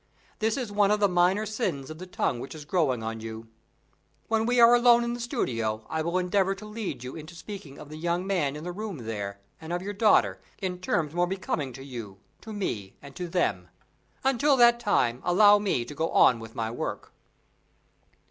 This is one of the minor sins of the tongue which is growing on you. When we are alone in the studio, I will endeavor to lead you into speaking of the young man in the room there, and of your daughter, in terms more becoming to you, to me, and to them. Until that time, allow me to go on with my work."